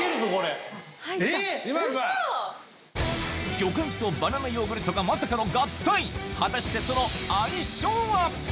魚介とバナナヨーグルトがまさかの合体果たしてその相性は？